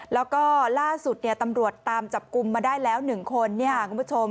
แล้วก็ล่าสุดตำรวจตามจับกลุ่มมาได้แล้ว๑คนคุณผู้ชม